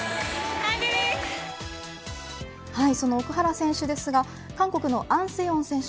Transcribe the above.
その奥原選手ですが韓国のアン・セヨン選手